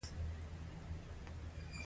هو د دوی د بدن تودوخه د چاپیریال سره بدلیږي